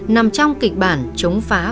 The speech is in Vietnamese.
nằm trong kịch bản chống phá vaccine